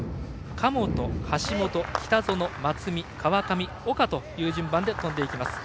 神本、橋本、北園、松見川上、岡という順番で飛んでいきます。